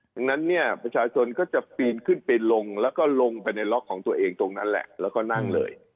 ดังนั้นเนี่ยประชาชนก็จะปีนขึ้นไปลงแล้วก็ลงไปในล็อกของตัวเองตรงนั้นแหละแล้วก็นั่งเลย